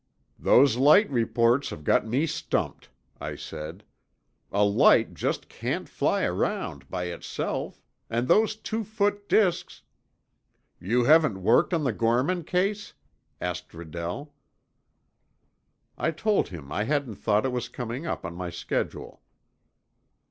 "Those light reports have got me stumped," I said. "A light just can't fly around by itself. And those two foot disks—" "You haven't worked on the Gorman case?" asked Redell. I told him I hadn't thought it was coming up on my schedule.